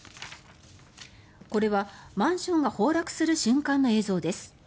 これは、マンションが崩落する瞬間の映像です。